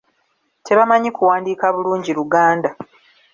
Tebamanyi kuwandiika bulungi Luganda.